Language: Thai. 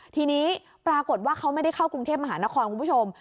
ทีนี้ปรากฏว่าเขาไม่ได้เข้ากรุงเทพมหานครคุณผู้ชม